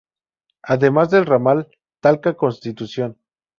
Además del Ramal Talca-Constitución.